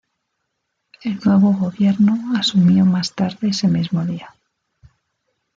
El nuevo gobierno asumió más tarde ese mismo día.